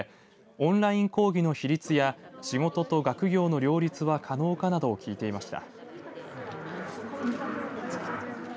オンライン講義の比率や仕事と学業の両立は可能かなどを聞いていました。